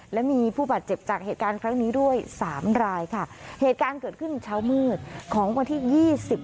และมีผู้บาดเจ็บจากเหตุการณ์ครั้งนี้ด้วยสามรายค่ะเหตุการณ์เกิดขึ้นเช้ามืดของวันที่ยี่สิบ